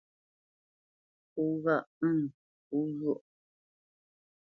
Pó ghâʼ ə̂ŋ pó zhwôʼ.